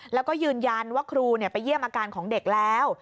แล้วก็ยืนยันว่าครูไปเยี่ยมอาการของเด็กแล้ว